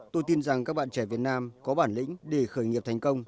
tôi tin rằng các bạn trẻ việt nam có bản lĩnh để khởi nghiệp thành công